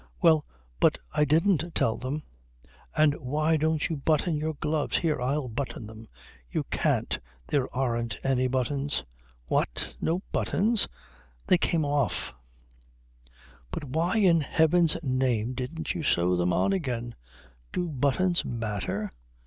"Well, but I didn't tell them." "And why don't you button your gloves? Here I'll button them." "You can't. There aren't any buttons." "What? No buttons?" "They came off." "But why in heaven's name didn't you sew them on again?" "Do buttons matter?